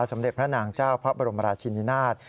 สมเด็จพระนางเจ้าพระบรมราชินินาศ